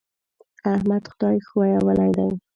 احمد خدای ښويولی دی.